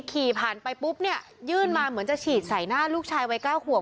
ขี่ผ่านไปปุ๊บเนี่ยยื่นมาเหมือนจะฉีดใส่หน้าลูกชายวัยเก้าขวบ